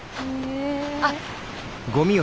あっ。